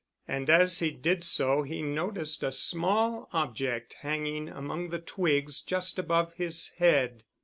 And as he did so he noticed a small object hanging among the twigs just above his head.